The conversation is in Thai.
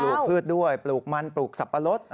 พืชด้วยปลูกมันปลูกสับปะรด